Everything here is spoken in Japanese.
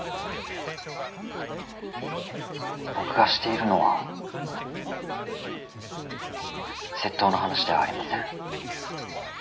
僕がしているのは窃盗の話ではありません。